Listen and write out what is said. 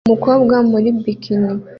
Umukobwa muri bikini